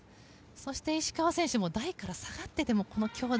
そして石川選手も台から下がっててもこの強打。